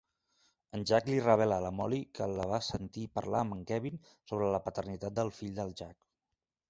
En Jack li revela a la Molly que la va sentir parlar amb en Kevin, sobre la paternitat del fill del Jack.